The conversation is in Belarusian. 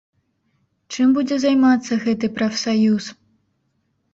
Чым будзе займацца гэты прафсаюз?